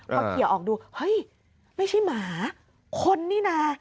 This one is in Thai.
พอเขียวออกดูเฮ้ยไม่ใช่หมาคนนี่นะ